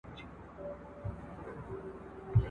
ابليس وواهه پر مخ باندي په زوره !.